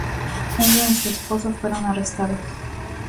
Ella y su esposo fueron arrestados.